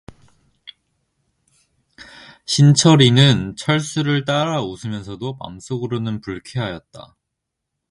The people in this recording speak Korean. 신철이는 철수를 따라 웃으면서도 맘속으로는 불쾌하였다.